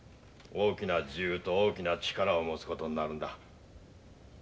大きな自由と大きな力を持つ事になるんだ。